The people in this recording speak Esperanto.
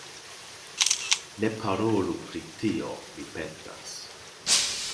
Ne parolu pri tio, mi petas.